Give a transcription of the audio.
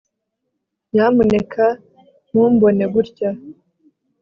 Nyamuneka ntumbone gutya